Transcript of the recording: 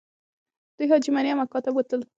دوی حاجي مریم اکا ته بوتلل.